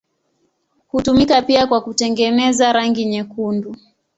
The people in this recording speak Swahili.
Hutumika pia kwa kutengeneza rangi nyekundu.